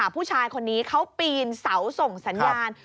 ผู้ชายคนนี้เขาปีนเสาส่งสัญญาณ